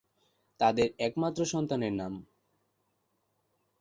তাদের একমাত্র সন্তানের নাম।